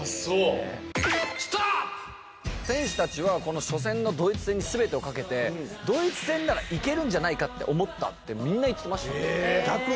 選手たちは、この初戦のドイツ戦にすべてをかけて、ドイツ戦ならいけるんじゃないかって思ったってみんな言ってまし逆に？